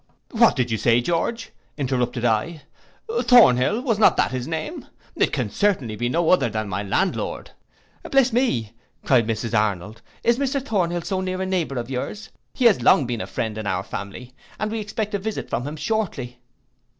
'What did you say, George?' interrupted I. 'Thornhill, was not that his name? It can certainly be no other than my landlord.'—'Bless me,' cried Mrs Arnold, 'is Mr Thornhill so near a neighbour of yours? He has long been a friend in our family, and we expect a visit from him shortly.